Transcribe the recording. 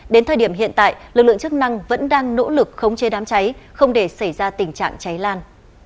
đến thời điểm hiện tại lực lượng chức năng vẫn đang nỗ lực khống chế đám cháy không để xảy ra tình trạng cháy lan